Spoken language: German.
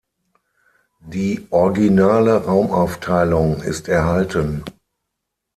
Die originale Raumaufteilung ist erhalten.